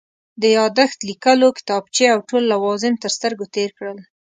د یادښت لیکلو کتابچې او ټول لوازم تر سترګو تېر کړل.